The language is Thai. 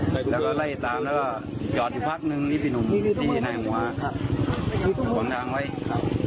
แล้วก็ไล่ตามแล้วก็หยอดอยู่พักหนึ่งนิดหนึ่งที่นายหัวว่าค่ะหลวงทางไว้ครับ